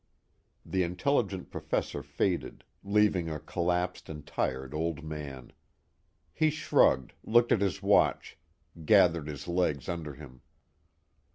The intelligent professor faded, leaving a collapsed and tired old man. He shrugged, looked at his watch, gathered his legs under him.